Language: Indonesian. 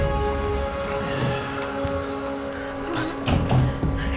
ya ampun bapak sadar pak